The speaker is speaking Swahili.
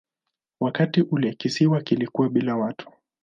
Wakati ule kisiwa kilikuwa bila watu.